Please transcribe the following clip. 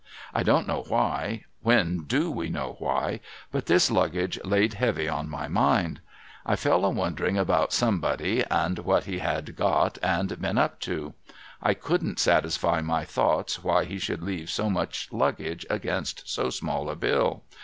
I don't know why, — when do we know why ?— but this Luggage laid heavy on my mind. I fell a wondering about Somebody, and what he had got and been up to. I couldn't satisfy my thoughts why he should leave so much Luggage against so small a bill.